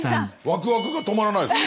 ワクワクが止まらないです。